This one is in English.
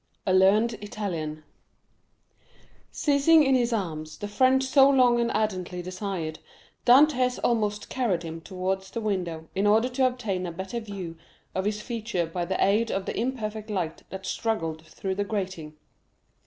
A Learned Italian Seizing in his arms the friend so long and ardently desired, Dantès almost carried him towards the window, in order to obtain a better view of his features by the aid of the imperfect light that struggled through the grating.